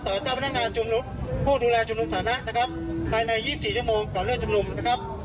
เจ้าพนักงานชุมนุมผู้ดูแลชุมนุมสถานะนะครับภายในยี่สิบสี่ชั่วโมงก่อนเริ่มชุมนุมนะครับ